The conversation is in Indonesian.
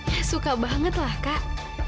ya suka banget lah kak